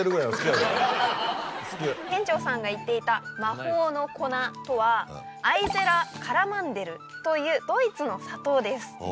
店長さんが言っていた魔法の粉とはアイゼラ・カラマンデルというドイツの砂糖です。